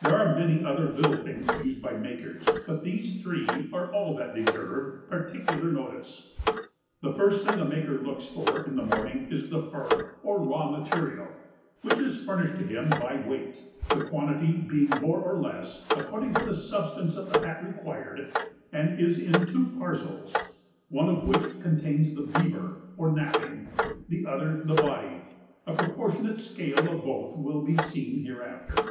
There are many other little things used by makers, but these three are all that deserve particular notice. The first thing a maker looks for in the morning is the FUR, or raw material, which is furnished to him by weight; the quantity being more or less, according to the substance of the Hat required, and is in two parcels, one of which contains the BEAVER, or napping; the other the BODY (a proportionate scale of both will be seen hereafter).